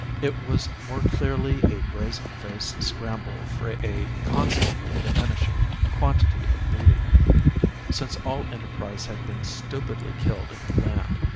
It was more clearly a brazen faced scramble for a constantly diminishing quantity of booty; since all enterprise had been stupidly killed in the land.